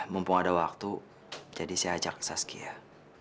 mumpung ada waktu jadi saya ajak saskia